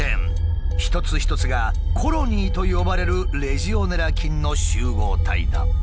一つ一つが「コロニー」と呼ばれるレジオネラ菌の集合体だ。